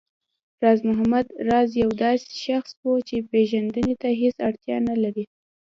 راز محمد راز يو داسې شخص و چې پېژندنې ته هېڅ اړتيا نه لري